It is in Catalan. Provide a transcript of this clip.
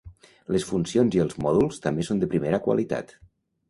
Les funcions i els mòduls també són de primera qualitat.